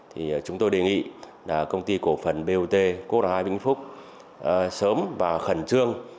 thì chúng tôi đề nghị công ty cổ phần bot cô ngoại bình phúc sớm và khẩn trương